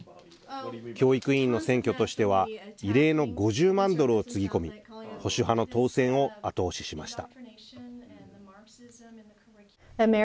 教育委員の選挙としては異例の５０万ドルをつぎ込み保守派の当選を後押ししました。